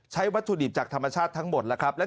ใช้วัตถุดิบจากธรรมชาติทั้งหมดและที่สำคัญ